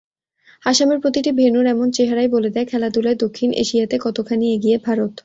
আসামের প্রতিটি ভেন্যুর এমন চেহারাই বলে দেয় খেলাধুলায় দক্ষিণ এশিয়াতে কতখানি এগিয়ে ভারত।